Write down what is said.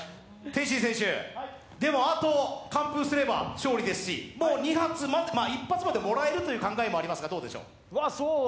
天心選手、でもあと完封すれば勝利ですし、１発までもらえるという考えもありますが、どうでしょう？